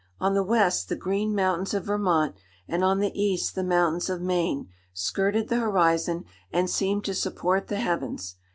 On the west the green mountains of Vermont, and on the east the mountains of Maine, skirted the horizon, and seemed to support the heavens.